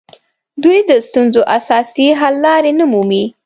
دوی د ستونزو اساسي حل لارې نه مومي